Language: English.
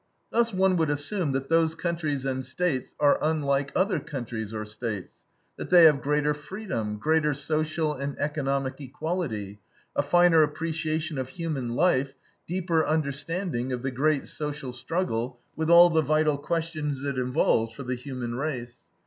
Thus one would assume that those countries and States are unlike other countries or States, that they have greater freedom, greater social and economic equality, a finer appreciation of human life, deeper understanding of the great social struggle, with all the vital questions it involves for the human race.